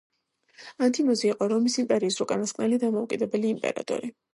ანთიმოზი იყო რომის იმპერიის უკანასკნელი დამოუკიდებელი იმპერატორი.